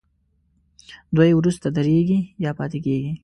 دوی وروسته درېږي یا پاتې کیږي.